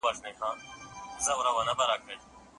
ده د خلکو پر اعتماد تکیه کوله.